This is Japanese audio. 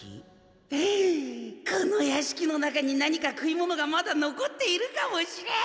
この屋敷の中に何か食い物がまだ残っているかもしれん。